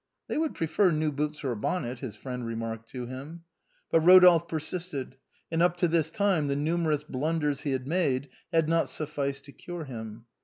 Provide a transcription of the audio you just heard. " They would prefer new boots or a bonnet," his friends remarked to him. But Eodolphe persisted, and up to this time the numer ous blunders he had made had not sufficed to cure him.